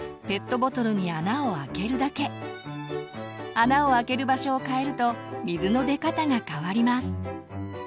穴を開ける場所を変えると水の出方が変わります。